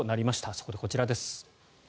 そこでこちらです。